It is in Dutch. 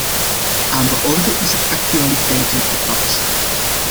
Aan de orde is het actualiteitendebat.